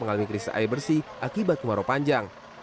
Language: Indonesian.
mengalami krisis air bersih akibat kemarau panjang